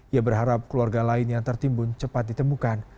ia berharap keluarga lain yang tertimbun cepat ditemukan